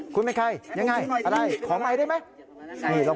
คุณเป็นใครยังไงอะไรขอไมค์ได้ไหม